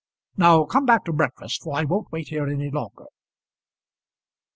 Now come back to breakfast, for I won't wait here any longer."